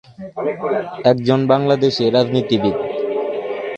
একজন বাংলাদেশী রাজনীতিবিদ।